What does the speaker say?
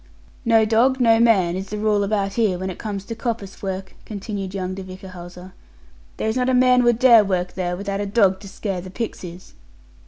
'No dog, no man, is the rule about here, when it comes to coppice work,' continued young de Whichehalse; there is not a man would dare work there, without a dog to scare the pixies.'